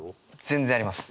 全然あります。